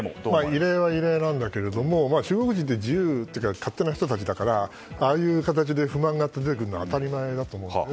異例は異例なんだけれども中国人って自由というか勝手な人たちだからああいう形で不満が出てくるのは当たり前だと思うんです。